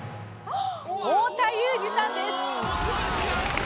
太田裕二さんです。